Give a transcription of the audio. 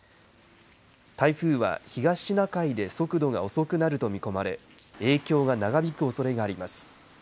台風は東シナ海で速度が遅くなると見込まれ影響が長引くおそれがあります。